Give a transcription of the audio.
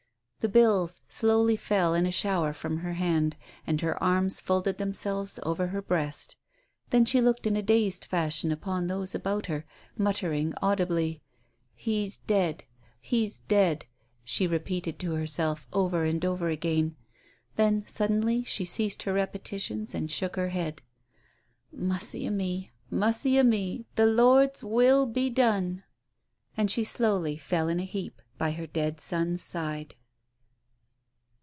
The bills slowly fell in a shower from her hand, and her arms folded themselves over her breast. Then she looked in a dazed fashion upon those about her, muttering audibly. "He's dead he's dead," she repeated to herself over and over again. Then suddenly she ceased her repetitions and shook her head. "Mussy a me, mussy a me! The Lord's will be done!" And she slowly fell in a heap by her dead son's side.